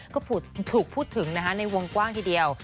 ก็ถูกพูดถึงนะคะในวงกว้างทีเดียว